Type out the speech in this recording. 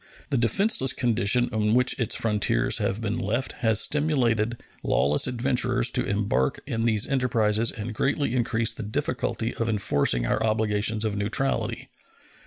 The defenseless condition in which its frontiers have been left has stimulated lawless adventurers to embark in these enterprises and greatly increased the difficulty of enforcing our obligations of neutrality.